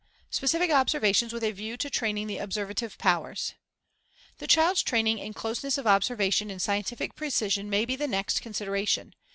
Specific observations with a view to training the observative powers: The child's training in closeness of observation and scientific precision may be the next consideration.